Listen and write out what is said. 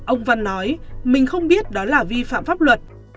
ông văn nói mình không biết đó là vi phạm pháp luật